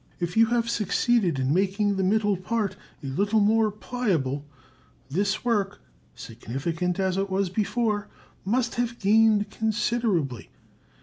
If you have succeeded in making the middle part a little more pliable, this work, significant as it was before, must have gained considerably.